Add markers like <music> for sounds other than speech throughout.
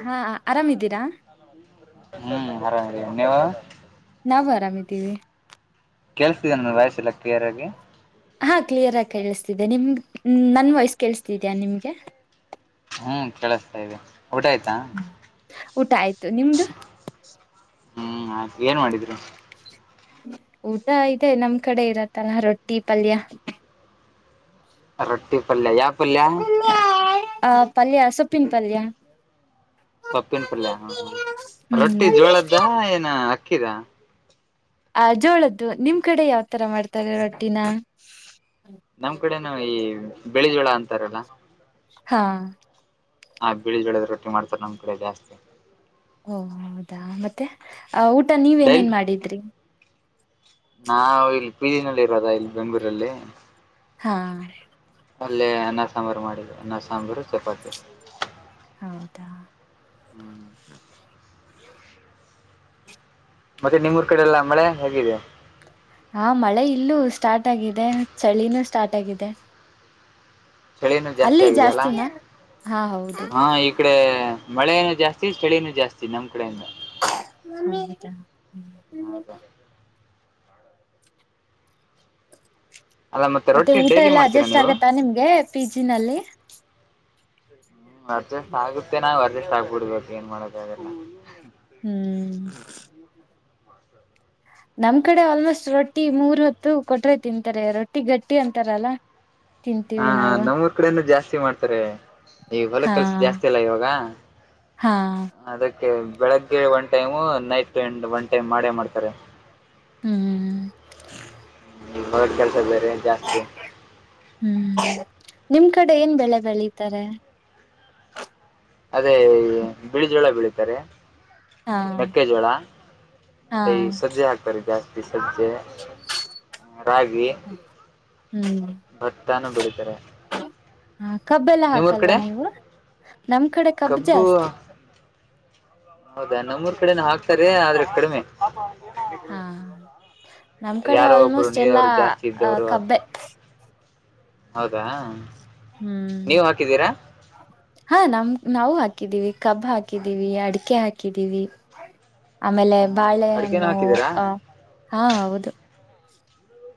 ಹಾ ಆರಾಮಿದ್ದೀರಾ ಹ್ಮ್ ಆರಾಮ ನೀವು ನಾವು ಆರಾಮಿದ್ದೀವಿ ಕೆಲ್ಸತಿದೆ ನು ವಾಯ್ಸ್ ಎಲ್ಲ ಕ್ಲಿಯರ್ಗಿ ಹಾ ಕ್ಲಿಯರ್ ಆಗಿ ಕೇಳಿಸ್ತಿದ್ದೆ ನಿಮ್ ನನ್ ವಯ್ಸ್ ಕೇಳಿಸ್ತಿದ್ಯಾ ನಿಮ್ಗೆ ಹ್ಮ್ ಕೇಳಸ್ತಾ ಇದೆ ಊಟ ಆಯ್ತಾ ಊಟ ಆಯ್ತು ನಿಮ್ದು ಹ್ಮ್ ಆತು ಏನ್ ಮಾಡಿದ್ರು ಊಟ ಇದೆ ನಮ್ ಕಡೆ ಇರತ್ತಲ್ಲ ರೊಟ್ಟಿ ಪಲ್ಯ ರೊಟ್ಟಿ ಪಲ್ಯ ಯಾವ ಪಲ್ಯ ಆ ಪಲ್ಯ ಸೊಪ್ಪಿನ್ ಪಲ್ಯ ಸೊಪ್ಪಿನ ಪಲ್ಯ ಹಾ ಹ್ಮ ರೊಟ್ಟಿ ಹ್ಮ್ ಜೋಳದ್ದ ಏನ ಅಕ್ಕಿದ ಆ ಜೋಳದ್ದು ನಿಮ್ ಕಡೆ ಯಾವ್ತರ ಮಾಡ್ತಾರೆ ರೊಟ್ಟಿನ ನಮ್ ಕಡೆನು ಈ ಬೆಳಿಜೋಳ ಅಂತಾರಲ್ಲ ಹಾ ಹಾ ಬಿಳಿ ಜೋಳದ ರೊಟ್ಟಿ ಮಾಡ್ತಾರೆ ನಮ್ ಕಡೆ ಜಾಸ್ತಿ ಓ ಹೌದಾ ಮತ್ತೆ ಆ ಊಟ ನೀವ ಡೈಲಿ ಏನೇನ್ ಮಾಡಿದ್ರಿ ನಾವು ಇಲ್ಲಿ ಪೀಜಿನಲ್ಲಿ ಇರೋದ ಇಲ್ಲಿ ಬೆಂಗಳೂರಲ್ಲಿ ಹಾ ಅಲ್ಲೇ ಅನ್ನ ಸಾಂಬಾರು ಮಾಡಿದೆ ಅನ್ನ ಸಾಂಬಾರು ಚಪಾತಿ ಹೌದಾ ಹ್ಮ ಮತ್ತೆ ನಿಮ್ಮೂರ್ ಕಡೆ ಎಲ್ಲಾ ಮಳೆ ಹೇಗಿದೆ ಹಾ ಮಳೆ ಇಲ್ಲೂ ಸ್ಟಾರ್ಟ್ ಆಗಿದೆ ಚಳಿನೂ ಸ್ಟಾರ್ಟ್ ಆಗಿದೆ ಚಳೀನು ಜಾಸ್ತಿ ಅಲ್ಲಿ ಆಗಿದ ಅಲ್ಲ ಜಾಸ್ತಿನ ಹಾ ಹೌದು ಹ ಈ ಈ ಕಡೆ ಮಳೆನ ಜಾಸ್ತಿ ಚಳಿನೂ ಜಾಸ್ತಿ ನಮ್ ಕಡೆಯಿಂದ ಹ್ಮ ಹ್ಮ ಹೌದಾ ಅಲ್ಲ ಮತ್ತೆ ರೊಟ್ಟಿ ಊಟ ಡೈಲಿ ಎಲ್ಲಾ ಮಾಡ್ತೀರಾ ಅಡ್ಜಸ್ಟ್ ನೀವು ಆಗತ್ತಾ ನಿಮ್ಗೆ ಪಿಜಿನಲ್ಲಿ ಅರ್ಜಸ್ಟ್ ಆಗುತ್ತೆ ನಾ ವರ್ಜಸ್ಟ್ ಆಗ್ಬಿಡ್ಬೇಕು ಏನ್ ಮಾಡೋಕ್ಕಾಗಲ್ಲ ಹ್ಮ್ ಮಾಸ್ತರ್ <inaudible> ನಮ್ ಕಡೆ ಆಲ್ಮೋಸ್ಟ್ ರೊಟ್ಟಿ ಮೂರ್ ಹೊತ್ತು ಕೊಟ್ರೆ ತಿಂತಾರೆ ರೊಟ್ಟಿ ಗಟ್ಟಿ ಅಂತಾರಲ್ಲ ಹಾ ತಿಂತೀವಿ ನಾವು ನಮ್ಮೂಊರ್ ಕಡೆನು ಜಾಸ್ತಿ ಮಾಡ್ತಾರೆ ಈಗ ಹೊಲ ಹಾ ಕೆಲ್ಸ ಜಾಸ್ತಿ ಅಲ್ಲ ಇವಾಗ ಹಾ ಅದಕ್ಕೆ ಬೆಳಗ್ಗೆ one time night one time ಮಾಡೇ ಮಾಡ್ತಾರೆ ಹ್ಮ್ ರೋಡ್ ಕೆಲಸ ಬೇರೆ ಜಾಸ್ತಿ ಹ್ಮ್ ನಿಮ್ ಕಡೆ ಏನ್ ಬೆಳೆ ಬೆಳೀತಾರೆ ಅದೇ ಬಿಳಿ ಜೋಳ ಬೆಳಿತಾರೆ ಹಾ ಮೆಕ್ಕೆಜೋಳ ಹಾ ಮತ್ತೆ ಈ ಸಜ್ಜೆ ಹಾಕ್ತಾರೆ ಜಾಸ್ತಿ ಸಜ್ಜೆ ರಾಗಿ ಹ್ಮ್ ಭತ್ತ ನ ಬೆಳಿತಾರೆ ಹ ಕಬ್ ಎಲ್ಲ ನಿಮ್ಮೂರ್ ಹಾಕಲ್ವಾ ಕಡೆ ನೀವು ನಮ್ ಕಡೆ ಕಬ್ ಕಬ್ಬು ಜಾಸ್ತಿ ಹೌದಾ ನಮ್ಮೂರ್ ಕಡೆನ ಹಾಕ್ತಾರೆ ಆದ್ರೆ ಕಡಿಮೆ ಹಾ ನಮ್ ಕಡೆ ಯಾರೋ ಒಬ್ರು ಆಲ್ಮೋಸ್ಟ್ ಎಲ್ಲಾ ನೀರವ್ರು ಜಾಸ್ತಿ ಆ ಇದ್ದವರು ಅ ಕಬ್ಬೆ ಹೌದಾ ನೀವ್ ಹಾಕಿದೀರಾ ಹ್ಮ್ ಹಾ ನಮ ನಾವು ಹಾಕಿದೀವಿ ಕಬ್ ಹಾಕಿದ್ದೀವಿ ಅಡಿಕೆ ಹಾಕಿದೀವಿ ಆಮೇಲೆ ಹ್ಮ್ ಹ್ಮ್ ಅಡಿಕೆನು ಬಾಳೆಹಣ್ಣು ಹಾಕಿದೀರಾ ಅ ಹ್ಮ್, ಹಾ ಹೌದು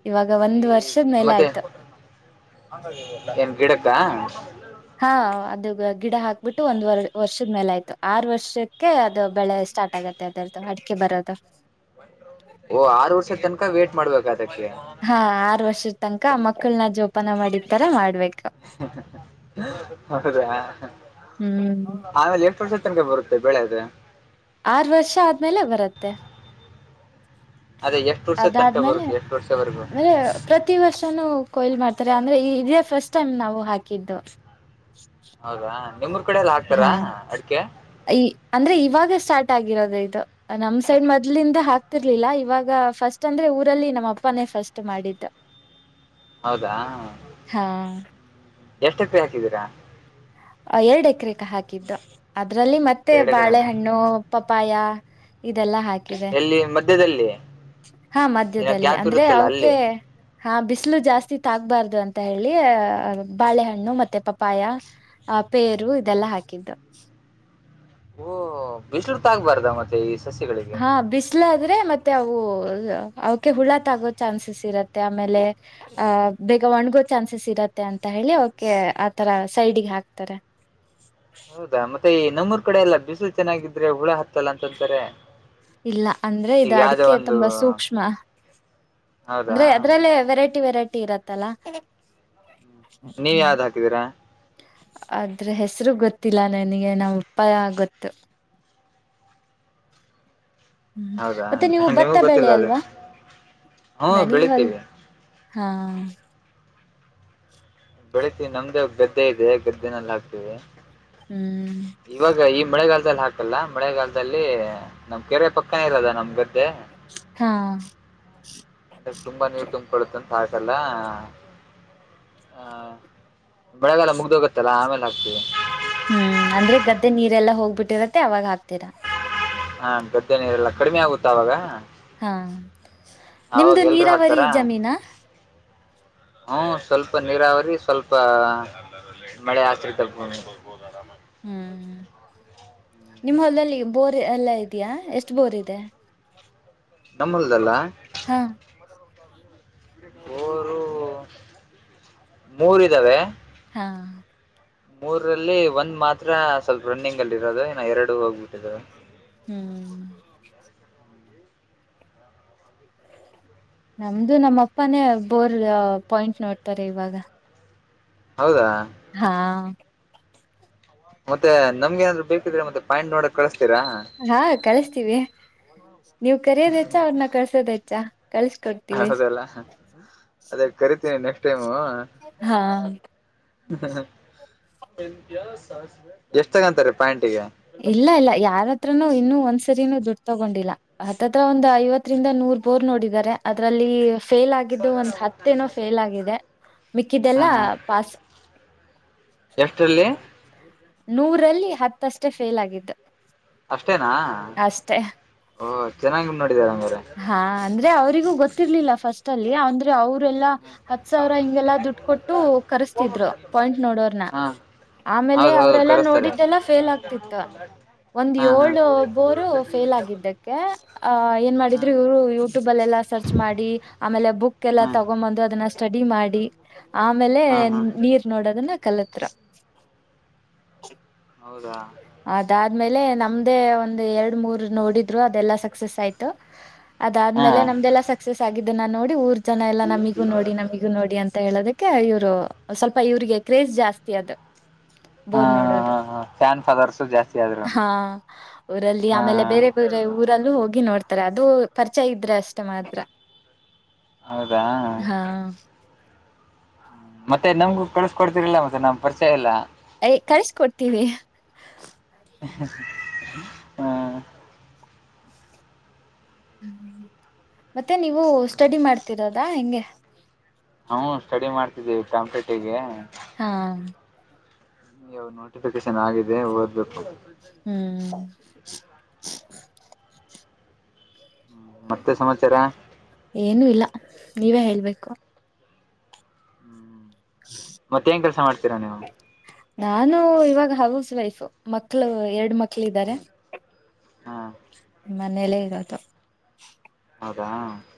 ಇವಾಗ ಒಂದ್ ವರ್ಷದ ಮೇಲೆ ಮತ್ತೆ ಆಯ್ತು ಏನ್ ಗಿಡಕ್ಕ ಹಾ ಅದು ಗಿಡ ಹಾಕ್ಬಿಟ್ಟು ಒಂದ್ ವರ್ ವರ್ಷದ ಮೇಲೆ ಆಯ್ತು ಆರ್ ವರ್ಷಕ್ಕೆ ಅದು ಬೆಳೆ ಸ್ಟಾರ್ಟ್ ಆಗತ್ತೆ ಮ ಅದರ್ದು ಅಡಿಕೆ ಬರೋದು <inaudible> ಓ ಆರು ವರ್ಷದ ತನಕ ವೇ್ಟ ಮಾಡ್ಬೇಕು ಅದಕ್ಕೆ ಹಾ ಆರು ವರ್ಷದ ತನಕ ಮಕ್ಕಳನ ಜೋಪಾನ ಮಾಡಿತರ ಮಾಡ್ಬೇಕ ಮಾಡಿದ್ಯಾ ಹ್ಮ್ ಆಮೇಲೆ ಎಷ್ಟು ವರ್ಷ ತನಕ ಬರುತ್ತೆ ಬೆಳೆ ಅದು ಆರು ವರ್ಷ ಆದ್ಮೇಲೆ ಬರುತ್ತೆ ಅದೇ ಎಷ್ಟು ವರ್ಷ ತನಕ ಅದಾದ್ಮೇಲೆ ಬರುದು ಎಷ್ಟು ವರ್ಷವರೆಗೂ ಅಂದ್ರೆ ಪ್ರತಿ ವರ್ಷನುೂ ಕೊಯ್ಲ್ ಮಾಡ್ತಾರೆ ಅಂದ್ರೆ ಈ ಇದೇ ಫಸ್ಟ್ ಟೈಮ್ ನಾವು ಹಾಕಿದ್ದು ಹೌದಾ ನಿಮ್ಮ ಹಾ ಈ ಅಂದ್ರೆ ಇವಾಗ ಸ್ಟಾರ್ಟ್ ಆಗಿರೋದು ಇದು ನಮ್ ಸೈಡ್ ಮೊದ್ಲಿಂದ ಹಾಕ್ತಿರ್ಲಿಲ್ಲ ಇವಾಗ ಫಸ್ಟ್ ಅಂದ್ರೆ ಊರಲ್ಲಿ ನಮ್ಮ ಅಪ್ಪನೇ ಫಸ್ಟ್ ಮಾಡಿದ್ದ ಹೌದಾ ಹಾ ಎಷ್ಟಪ್ಪಿ ಹಾಕಿದ್ದೀರಾ ಎರಡು ಎಕರೆಕ ಹಾಕಿದ್ದು ಅದ್ರಲ್ಲಿ ಮತ್ತೆ ಎರಡು ಎಕರೆನಾ ಬಾಳೆಹಣ್ಣು ಪಪ್ಪಾಯ ಇದೆಲ್ಲಾ ಹಾಕಿ ಎಲ್ಲಿ ಮಧ್ಯದಲ್ಲಿ ಹಾ ದಿನ ಮಧ್ಯದಲ್ಲಿ ಗ್ಯಾಪ್ ಅಂದ್ರೆ ಇರುತ್ತಲ್ಲ ಅವಕ ಅಲ್ಲಿ ಹಾ ಬಿಸಿಲು ಜಾಸ್ತಿ ತಾಗಬಾರ್ದು ಅಂತ ಹೇಳಿ ಬಾಳೆಹಣ್ಣು ಮತ್ತೆ ಪಪಾಯ ಆ ಪೇರು ಇದೆಲ್ಲಾ ಹಾಕಿದ್ದು ಓ ಬಿಸಿ್ಲು ತಾಆಗ್ಬಾರ್ದ ಮತ್ತೆ ಈ ಸಸಿಗಳಿಗೆ ಹಾ ಬಿಸ ಇಲ ಆದ್ರೆ ಮತ್ತೆ ಅವು ಅವಕ ಹುಳಾತ್ ಆಗೋ ಚಾನ್ಸಸ್ ಇರತ್ತೆ ಆಮೇಲೆ ಆಹ ಬೇಗ ಒಣ್ಗೋ ಚಾನ್ಸಸ್ ಇರತ್ತೆ ಅಂತ ಹೇಳಿ ಓಕೆ ಆತರ ಸೈಡ್ಿಗೆ ಹಾಕ್ತಾರೆ ಹೌದಾ ಮತ್ತೆ ಈ ನಮ್ಮೂರ್ ಕಡೆ ಎಲ್ಲ ಬಿಸಿಲು ಚೆನ್ನಾಗಿದ್ರೆ ಹುಳ ಹತ್ತ ಇಲ್ಲ ಅಂದ್ರೆ ಈಗ ಇದು ಯಾವ್ದೋ ಅಡಿಕೆ ಒಂದು ತುಂಬಾ ಸೂಕ್ಷ್ಮ ಹೌದಾ ಅಂದ್ರೆ ಅದಲ್ಲೇ ವೆರೈಟಿ ವೆರಟಿ ಇರುತ್ತೆ ತಲಾ ನೀವ್ ಹ್ಮಂ ಯಾವ್ದು ಹಾಕಿದೀರಾ ಆದ್ರೆ ಹೆಸರುಗ್ ಗೊತ್ತಿಲ್ಲ ನನಗೆ ನಮ್ ಉಪಾಯ ಗೊತ್ತು ಹ್ಮ್ ಹೌದಾ ಮತ್ತೆ ನೀವು ಭತ್ತ ನಿಮಗ್ ಬೆಳೆ ಗೊತ್ತಿಲ್ವಾ ಅದು ಅಲ್ವಾ ಹ್ಮ್ ನನಗ ಅಲ್ ಬೆಳಿತೀವಿ ಹಾ ಬೆಳತೀವಿಿ ನಮ್ದೇ ಗದ್ದೆ ಇದೆ ಗದ್ದೆನೆಲ್ಲ ಹಾಕ್ತವಿ ಹ್ಮ್ ಇವಾಗ ಈ ಮಳೆಗಾಲದಲ್ಲಿ ಹಾಕಲ್ಲ ಮಳೆಗಾಲದಲ್ಲಿ ನಮ್ ಕೆರೆ ಪಕ್ಕನೇ ಇರದ ನಮ್ ಗದ್ದೆ ಹಾ ಅದ ತುಂಬಾ ನೀರು ತುಂಬಕೊೊಳ್ಳುತ್ತ ಅಂತ ಹಾಕಲ್ಲ ಹಾ ಬೆಳೆಗಾಲ ಮುಗ್ದೋಗತ್ತಲ್ಲಾ ಆಮೇಲೆ ಹಾಕ್ತೀವಿ ಹ್ಮ್ ಅಂದ್ರೆ ಗದ್ದೆ ನೀರೆಲ್ಲಾ ಹೋಗ್ಬಿಟ್ಟಿರತ್ತೆ ಅವಾಗ ಹಾಕ್ತೀರಾ ಹಾ ಗದ್ದೆ ನೀರೆಲ್ಲಾ ಕಡಿಮೆ ಆಗುತ್ತಾ ಆಾಗ ಹಾ ನಿಮ್ದು ನೀರಾವರಿ ಹಾಕ್ತಾರ ಜಮೀನಾ ಹ್ಮ ಸ್ವಲ್ಪ ನೀರಾವರಿ ಸ್ವಲ್ಪ ಮಳೆ ಆಶ್ರಿತ ಭೂಮಿ ಹ್ಮ್ ನಿಮ್ಮ ಹೊಲ್ಲಲ್ಲಿ ಬೋರ್ ಎಲ್ಲಾ ಇದಯಾ ಎಷ್ಟು ಬೋರ್ ಇದೆ ನಮ್ಮ ಹೊಲದಲ್ಲ ಹಾ ರು ಮೂರ ಇದ್ದಾವೆ ಹಾ ಮೂರಲ್ಲಿ ಒಂದ್ ಮಾತ್ರ ಸ್ವಲ್ಪ ರನ್ನಿಂಗ್ ಅಲ್ಲಿ ಇರೋದು ಇನ್ನು ಎರಡು ಹೋಗ್ಬಿಟ್ಟಿದವೆ. ಹ್ಮ್ ನಮ್ದು ನಮ್ಮ ಅಪ್ಪನೇ ಬೋರ್ ಪಾಯಿಂಟ್ ನೋಡ್ತಾರೆ ಇವಾಗ. ಹೌದಾ ಹಾ ಮತ್ತೆ ನಮ್ಗೆ ಎನಾದ್ರು ಬೇಕಿದ್ರೆ ಮತ್ತೆ ಪಾಯಿಂಟ್ ನೋಡಕ್ ಕಳಸ್ತೀರಾ. ಹಾ ಕಳ್ಸ್ತೀವಿ ನೀವ್ ಕರೆಯೋದ್ ಹೆಚ್ಚ ಅವ್ರನ್ನ ಕಳ್ಸೋದ ಹೆಚ್ಚ ಕಳ್ಸಕೊಡ್ ಹೌದಲ್ಲ ಅದೇ ಕರಿತೀನಿ ನೆಕ್ಸ್ಟ್ ಟೈಮು. ಹಾ ಎಷ್ಟ ತಗೋಂತರೆ ಪ್ಯಾಯಿಂಟಿಗೆ. ಇಲ್ಲ ಇಲ್ಲ ಯಾರತ್ರನು ಇನ್ನು ಒಂದ್ಸರಿನೂ ದುಡ್ಡು ತಗೊಂಡಿಲ್ಲ. ಹತ್ತತ್ರ ಒಂದು ಐವತ್ತರಿಂದ ನೂರ್ ಬೋರ್ ನೋಡಿದ್ದಾರೆ ಅದ್ರಲ್ಲಿ. ಫೇಲ್ ಆಗಿದ್ದು ಒಂದ್ ಹತ್ತೇನೋ ಫೇಲ್ ಆಗಿದೆ ಮಿಕ್ಕಿದೆಲ್ಲ ಹ್ಮ್ ಹ್ಮ್ ಪಾಸ್. ಎಷ್ಟರಲ್ಲಿ. ನೂರಲ್ಲಿ ಹತ್ತಷ್ಟೇ ಫೇಲ್ ಆಗಿದ್ದು. ಅಷ್ಟೇನಾ ಅಷ್ಟೆ ಓ ಚೆನ್ನಾಗಿ ನೋಡಿದಾರ ಅಂಗಾರೇ. ಹಾ ಅಂದ್ರೆ ಅವರಿಗೂ ಗೊತ್ತಿರ್ಲಿಲ್ಲ ಫಸ್ಟ್ ಅಲ್ಲಿ ಅಂದ್ರೆ ಅವುರೆಲ್ಲಾ. ಹತ್ ಸಾವಿರ ಹಿಂಗೆಲ್ಲಾ ದುಡ್ಡು ಕೊಟ್ಟು ಕರ್ಸ್ತಿದ್ರು ಪಾಯಿಂಟ್ ನೋಡೋರ್ನ ಹಾ ಆಮೇಲೆ ಅವರು. ಹೌದೌದು <unintelligible> ಅವ್ರೆಲ್ಲ ಕರೆಸ್ತಾರೆ ನೋಡಿದ್ದೆಲ್ಲಾ ಫೇಲ್ ಆಗ್ತಿತ್ತು. ಒಂದ್ ಹಾ ಹಾ ಏಳ ಬೋರು ಫೇಲ್ ಆಗಿದ್ದಕ್ಕೆ ಆಹ ಏನ್ ಹಾ ಮಾಡಿದ್ರು ಇವರು ಇ <unintelligible> <unintelligible> ಯಟ್ಯೂಬ ಅಲ್ಲ ಎಲ್ಲ ಸರ್ಚ್ ಮಾಡಿ ಆಮೇಲೆ ಬುಕ್ ಎಲ್ಲ ಹಾ ತಗೊಂಡ್ ಬಂದು ಅದನ್ನ ಸ್ಟಡಿ ಮಾಡಿ. ಆಮೇಲೆ ಹಾ ಹಾ ನೀರ್ ನೋಡೋದನ್ನ ಕಲುತ್ರು. ಹೌದಾ ಅದಾದ್ಮೇಲೆ ನಮ್ದೇ ಒಂದ್ ಎರಡ್ ಮೂರ್ ನೋಡಿದ್ರು ಅದೆಲ್ಲಾ ಸಕ್ಸಸ್ ಆಯ್ತು. ಹಾ ಅದಾದ್ಮೇಲೆ ನಮ್ದೆಲ್ಲ ಸಕ್ಸಸ್ ಆಗಿದ್ದುನ್ನ ನೋಡಿ ಊರ್ ಜನ ಎಲ್ಲಾ ನಮಿಗೂ ನೋಡಿ ನಮಿಗೂ ನೋಡಿ ಅಂತ ಹೇಳದುಕ್ ಇವ್ರು ಸ್ವಲ್ಪ ಇವ್ರಿಗೆ ಕ್ರೇಜ್ ಜಾಸ್ತಿ ಅದು. ಹಾ ಬೋರ್ ನೋಡೋದು ಹಾ ಫ್ಯಾನ್ ಫಾದರ್ಸು ಜಾಸ್ತಿ ಆದ್ರು ಹಾ ಊರಲ್ಲಿ ಹಾ ಆಮೇಲೆ ಬೇರೆ ಬ <unintelligible> ಊರಲ್ಲೂ ಹೋಗಿ ನೋಡ್ತಾರೆ ಅದು ಪರಿಚಯ ಇದ್ರೆ ಅಷ್ಟೇ ಮಾತ್ರ. ಹೌದಾ ಹಾ ಮತ್ತೆ ನಮ್ಗೂ ಕಳ್ಸಿ ಕೊಡ್ತೀರೋ ಇಲ್ಲ ಮತ್ತೆ ನಮ್ ಪರಿಚಯ ಇಲ್ಲ. ಯ್ ಕಳ್ಸ್ಕೊಡ್ತೀವಿ <inaudible> ಹ್ಮ್ ಹ್ಮ್ ಮತ್ತೆ ನೀವು ಸ್ಟಡಿ ಮಾಡ್ತಿರೋದಾ ಹೆಂಗೆ. ಹ್ಮ ಸ್ಟಡಿ ಮಾಡ್ತಿದ್ದೀವಿ ಕಾಂಪ್ಟೇಟಿಗೆ. ಹಾಂ ಇವಗ ನೋಟಿಫಿಕೇಶನ್ ಆಗಿದೆ ಓದ್ಬೇಕು. ಹ್ಮ್ ಮತ್ತೆ ಸಮಾಚಾರ. ಏನುೂ ಇಲ್ಲ ನೀವೇ ಹೇಳ್ಬೇಕು. <inaudible> ಮತ್ ಏನ್ ಕೆಲಸ ಮಾಡ್ತೀರಾ ನೀವು. ನಾನು ಇವಾಗ ಹೌಸ್ ವೈಫ್ ಮಕ್ಳು ಎರಡ್ ಮಕ್ಳ್ ಇದ್ದಾರೆ. ಹಾ ಮನೇಲ್ಲೇ ಇರದು. ಹೌದಾ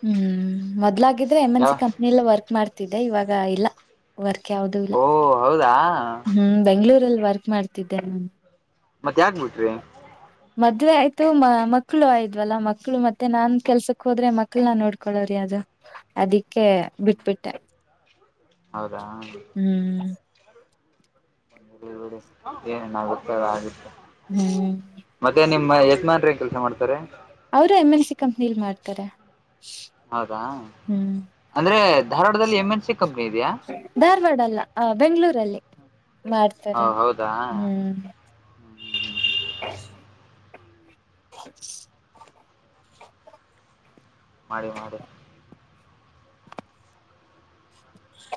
ಹ್ಮ್ ಮೊದ್ಲಾಗಿದ್ರೆ ಎಮ್ ಎನ್ ಯಾವ ಸಿ ಕಂಪ್ನಿಲೇ ವರ್ಕ್ ಮಾಡ್ತಿದ್ದೆ ಇವಾಗ ಇಲ್ಲ. ವರ್ಕ್ ಯಾವ್ದೂ ಇಲ್ಲ ಓ ಹೌದಾ ಹ್ಮ್ ಬೆಂಗ್ಳೂರಲ್ಲಿ ವರ್ಕ್ ಮಾಡ್ತಿದ್ದೇ. ಮತ್ತ ಯಾಕ್ ಬಿಟ್ರಿ ಮದ್ವೆ ಆಯ್ತು ಮ ಮಕ್ಕಳು ಆಯ್ವಲ್ಲಾ ಮಕ್ಳು ಮತ್ತೆ ನಾನ್ ಕೆಲ್ಸಕ್ ಹೋದ್ರೆ ಮಕ್ಳ ನ ನೋಡ್ಕೊಳವ್ರಿ ಅದು ಅದಿಕ್ಕೆ ಬಿಟ್ಬಿಟ್ಟೆ ಹೌದಾ ಹ್ಮ್ ಡೆ ಏನನ್ಗುತ್ತೆ ಆಗುತ್ತೆ ಹ್ಮ್ ಮತ್ತೆ ನಿಮ್ಮ್ ಯಜಮಾನ್ ಏನ್ ಕೆಲ್ಸ ಮಾಡ್ತಾರೆ ಅವರು ಎಮ್ ಎನ್ ಸಿ ಕಂಪ್ನಿಲ್ ಮಾಡ್ತಾರೆ ಹೌದಾ ಹ್ಮ್ ಅಂದ್ರೆ ಧಾರವಾಡದಲ್ಲಿ ಎಂ ಎನ್ ಸಿ ಕಂಪ್ನಿ ಇದೆಯಾ ಧಾರವಾಡ ಅಲ್ಲ ಆ ಬೆಂಗಳೂರಲ್ಲಿ ಹ ಮಾಡ್ತಾರೆ ಹೌದಾ ಹ್ಮ್ ಹ <inaudible> ಹ ಮಾಡಿ ಮಾಡಿ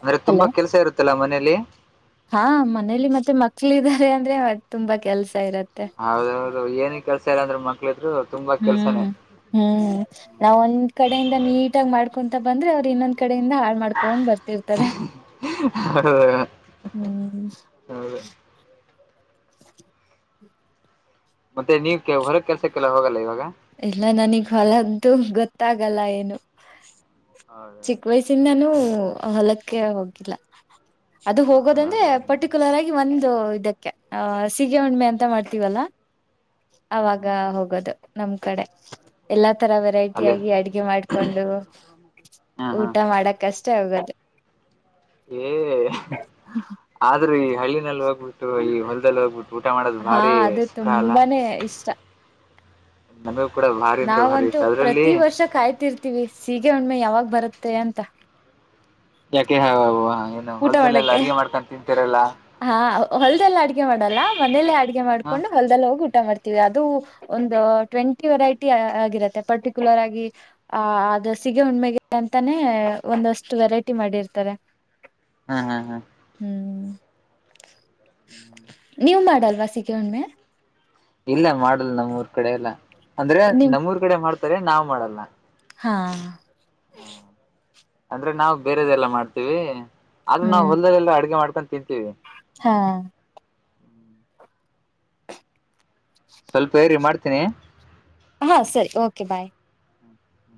ಅಂದ್ರೆ ಹಲೋ ತುಂಬಾ ಕೆಲಸ ಇರುತ್ತಲ್ಲಾ ಮನೇಲಿ ಹಾ ಮನೇಲಿ ಮತ್ತೆ ಮಕ್ಳ ಇದಾರೆ ಅಂದ್ರೆ ತುಂಬಾ ಕೆಲ್ಸ ಇರುತ್ತೆ ಹೌದು ಹೌದು ಏನ್ ಕೆಲ್ಸ ಇಲ್ಲ ಅಂದ್ರ ಮಕ್ಳ ಇದ್ರು ಹ್ಮ್ ಹ್ಮ್ ನಾವ ಒಂದ್ ಕಡೆಯಿಂದ ನೀಟಾಗಿ ಮಾಡ್ಕೊಂತ ಬಂದ್ರೆ ಅವ್ರು ಇನ್ನೊಂದ್ ಕಡೆಯಿಂದ ಆ ಮಾಡ್ಕೊಂಡ್ ಬರ್ತಿರ್ತಾರೆ ಹೌದು ಹ್ಮ್ ಮತ್ತೆ ನೀವ ಕೆ ಹೊರ ಕೆಲ್ಸಕ್ಕೆಲ್ಲ ಹೋಗಲ್ಲ ಇವಾಗ ಇಲ್ಲ ನನಗ್ ಹೊಲಂತು ಗೊತ್ತಾಗಲ್ಲ ಏನು ಹೌದೌದು ಚಿನ್ನನು ಹೊಲಕ್ಕೆ ಹೋಗಿಲ್ಲ ಅದು ಹೋಗೋದಂದ್ರೆ ಹೌದೌದು ಪರ್ಟಿಕ್ಯುಲರ್ ಆಗಿ ಒಂದು ಇದಕ್ಕೆ ಸೀಗೆ ಹುಣ್ಣಿಮೆ ಹ್ಮ್ ಅಂತ ಮಾಡ್ತೀವಲ್ಲಾ ಅವಾಗ ಹ್ಮ್ ಹೋಗೋದು ನಮ್ ಕಡೆ ಎಲ್ಲಾ ತರ ವೆರೈಟಿ ಅಲ್ಲಿ ಆಗಿ ಅಡಗೆ ಮಾಡ್ಕೊಂಡು ಊಟ ಮಾಡಕ್ ಅಷ್ಟೇ ಹಾಗೋದು ಏ ಆದ್ರೂ ಈ ಹಳ್ಳಿನಲ್ಲಿ ಹೋಗ್ಬಿಟ್ಟು ಈ ಹೊಲದಲ್ಲಿ ಹೋಗ್ಬಿಟ್ಟು ಊಟ ಮಾಡೋದು ಹಾ ಭಾರಿ ಅದು ಸುಖ ಅಲ್ಲ ತುಂಬಾನೇ ಇಷ್ಟ ಮ <inaudible> ನಾವಂತೂ ಪ್ರತಿ ವರ್ಷ ಕಾಯ್ತಿರ್ತಿವಿ ಸೀಗೆ ಉಣ್ಣಿಮೆ ಯಾವಾಗ ಬರುತ್ತೆ ಅಂತ ಯಾಕೆ ಹ ಏನು ಊಟ ಹೊಲ್ದಲ್ಲೆಲ್ಲ ಮಾಡಕ್ಕೆ ಅಡಗೆ ಮಾಡ್ಕೊಂಡು ತಿಂತರಲ್ಲಾ ಹಾ ಹೊಲ್ದೆಲ್ಲ ಅಡ್ಗೆ ಮಾಡಲ್ಲ ಮನೇಲಿ ಅಡ್ಗೆ ಹ ಮಾಡ್ಕೊಂಡು ಹೊಲ್ದೆಲ್ಲ ಹೋಗಿ ಊಟ ಮಾಡ್ತವಿ ಅದು ಒಂದು ಟ್ವೆಂಟಿ ವೆರೈಟಿ ಆಗಿರತ್ತೆ ಪರ್ಟಿಕ್ಯುಲರ್ ಆಗಿ ಆ ಅದು ಸಿಗೆ ಉಣ್ಮೆಗೆ ಅಂತಾನೇ ಒಂದಷ್ಟು ವೆರೈಟಿ ಮಾಡಿರ್ತಾರೆ ಹ್ಮ್ ಹ್ಮ್ ಹ್ಮ್ ಹ್ಮ್ ನೀವ್ ಮಾಡಲ್ವ ಸೀಗೆ ಉಣ್ಮೆ ಇಲ್ಲ ಮಾಡಲ್ಲ ನಮ್ಮೂರ್ ಕಡೆ ಎಲ್ಲ ಅಂದ್ರೆ ನಿಮ್ ನಮ್ಮೂರ್ ಕಡೆ ಮಾಡ್ತಾರೆ ನಾವ್ ಮಾಡಲ್ಲ ಹಾ ಹ್ಮ ಅಂದ್ರೆ ನಾವು ಬೇರೆದೆಲ್ಲಾ ಮಾಡ್ತೀವಿ ಆದ್ರೂ ನಾವು ಹ್ಮ್ ಹೊಲ್ಲಲ್ಲ ಅಡ್ಗೆ ಮಾಡ್ಕೊಂಡು ತಿಂತೀವಿ ಹಾ ಸ್ವಲ್ಪ ಇರಿ ಮಾಡ್ತೀನಿ ಹಾಂ ಸರಿ ಓಕೆ ಬಾಯ್ ಹ